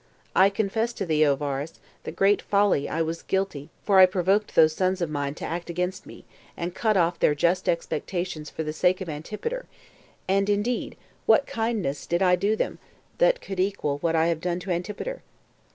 I confess to thee, O Varus, the great folly I was guilty for I provoked those sons of mine to act against me, and cut off their just expectations for the sake of Antipater; and indeed what kindness did I do them; that could equal what I have done to Antipater?